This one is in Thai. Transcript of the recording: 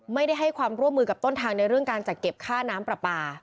ให้ความร่วมมือกับต้นทางในเรื่องการจัดเก็บค่าน้ำปลาปลา